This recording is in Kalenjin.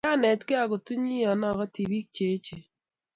kianetgei akutunyii yon ogotii bik cheechen